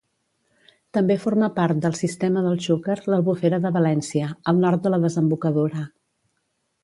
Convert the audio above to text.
També forma part del sistema del Xúquer l'Albufera de València, al nord de la desembocadura.